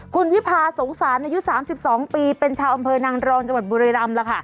คุณวิพาสงสารอายุ๓๒ปีเป็นชาวอำเภอนางรองจังหวัดบุรีรำ